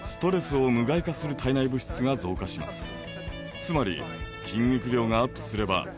つまり。